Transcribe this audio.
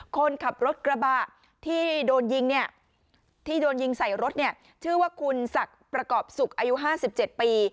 คนขับรถกระบะที่โดนยิงใส่รถชื่อว่าคุณศักดิ์ประกอบศุกร์อายุ๕๗ปี